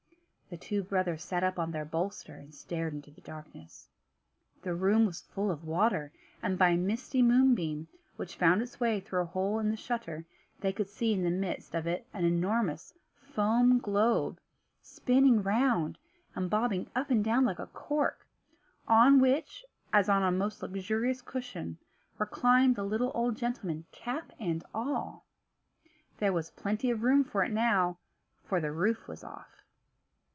The two brothers sat up on their bolster, and stared into the darkness. The room was full of water, and by a misty moonbeam, which found its way through a hole in the shutter, they could see in the midst of it an enormous foam globe, spinning round, and bobbing up and down like a cork, on which, as on a most luxurious cushion, reclined the little old gentleman, cap and all. There was plenty of room for it now, for the roof was off.